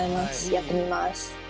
やってみます。